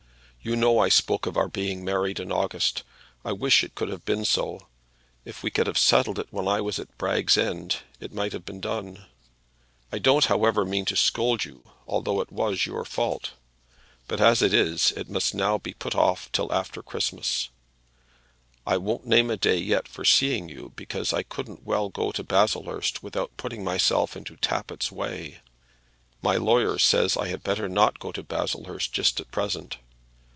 You know I spoke of our being married in August. I wish it could have been so. If we could have settled it when I was at Bragg's End, it might have been done. I don't, however, mean to scold you, though it was your fault. But as it is, it must now be put off till after Christmas. I won't name a day yet for seeing you, because I couldn't well go to Baslehurst without putting myself into Tappitt's way. My lawyer says I had better not go to Baslehurst just at present.